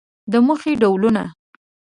د موخې ډولونه